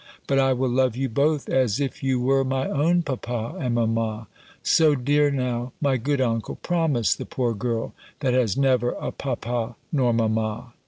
But I will love you both as if you were my own papa and mamma; so, dear now, my good uncle, promise the poor girl that has never a papa nor mamma!"